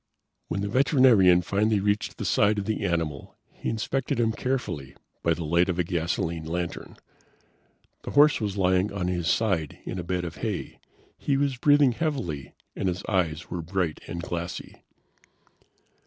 When the veterinarian finally reached the side of the animal, he inspected him carefully by the light of a gasoline lantern. The horse was lying on his side in a bed of hay; he was breathing heavily and his eyes were bright and glassy.